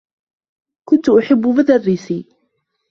كنت أحبّ مدرّسّيّ.